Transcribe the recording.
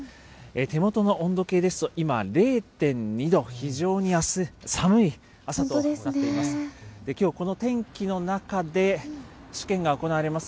手元の温度計ですと、今、０．２度、非常に寒い朝となっています。